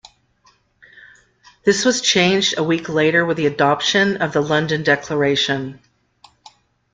This was changed a week later with the adoption of the London Declaration.